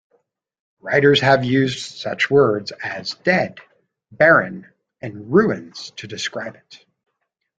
Writers have used such words as "dead", "barren", and "ruins" to describe it.